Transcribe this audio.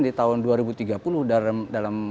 di tahun dua ribu tiga puluh dalam